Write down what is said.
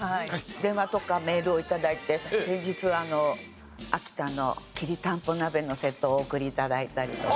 電話とかメールを頂いて先日秋田のきりたんぽ鍋のセットをお送り頂いたりとか。